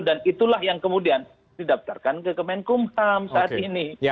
dan itulah yang kemudian didaptarkan ke kemenkumham saat ini